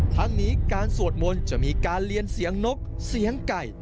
ทั้งนี้การสวดมนต์จะมีการเรียนเสียงนกเสียงไก่